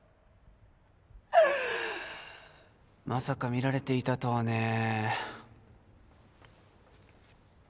まさか見られていたとはね。